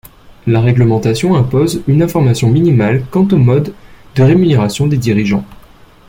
La réglementation impose une information minimale quant au mode de rémunération des dirigeants.